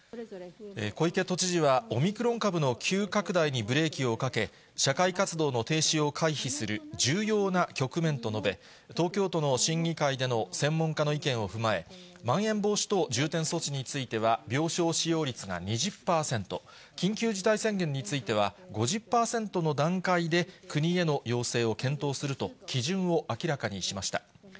小池都知事は、オミクロン株の急拡大にブレーキをかけ、社会活動の停止を回避する重要な局面と述べ、東京都の審議会での専門家の意見を踏まえ、まん延防止等重点措置については、病床使用率が２０％、緊急事態宣言については、５０％の段階で、国への要請を検討すると基準を明らかにしました。